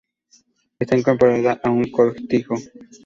Está incorporada a un cortijo.